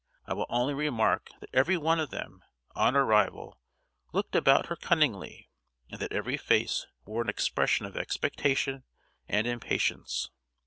I will only remark that every one of them, on arrival, looked about her cunningly; and that every face wore an expression of expectation and impatience.